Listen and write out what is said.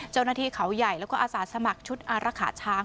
เจ้าหน้าที่เขาใหญ่แล้วก็อาสาสมัครชุดอารักษาช้าง